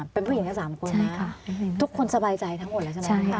เป็นผู้หญิงแค่๓คนทุกคนสบายใจทั้งหมดแล้วใช่ไหม